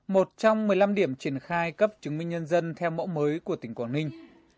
một trong một mươi năm điểm triển khai cấp chứng minh nhân dân theo mẫu mới của tỉnh quảng ninh